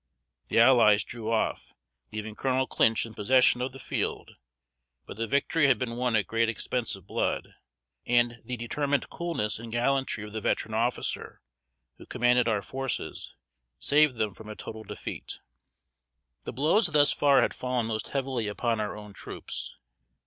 The allies drew off, leaving Colonel Clinch in possession of the field; but the victory had been won at great expense of blood; and the determined coolness and gallantry of the veteran officer who commanded our forces, saved them from a total defeat. The blows thus far had fallen most heavily upon our own troops.